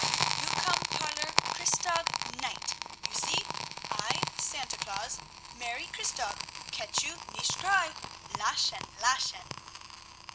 "You come parlor Christtag night, you see! I, Santa Claus! Merry Christtag. Catch you! Nicht cry! Lachen! Lachen!"